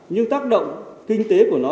nhưng tác động kinh tế của nó